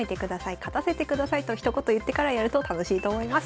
勝たせてくださいとひと言言ってからやると楽しいと思います。